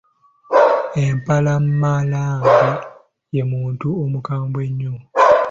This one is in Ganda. Empalamalanga ye muntu omukambwe ennyo.